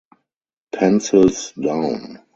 Pencils down.